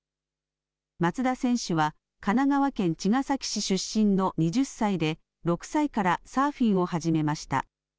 松田選手は、神奈川県茅ヶ崎市出身の２０歳で、６歳からサーフィンを始めました。